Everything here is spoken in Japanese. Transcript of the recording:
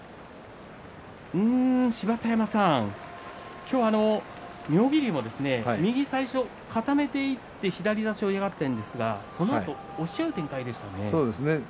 芝田山さん、今日は妙義龍も右を最初、固めていって左差しを嫌がったんですがそのあと押し合う展開でしたね。